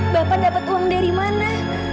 bapak dapat uang dari mana